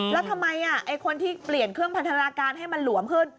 แล้วทำไมคนที่เปลี่ยนเครื่องพันธนาการให้มันหลวมขึ้น